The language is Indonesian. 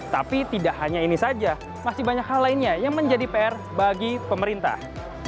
tapi tidak hanya ini saja masih banyak hal lainnya yang menjadi pr bagi pemerintah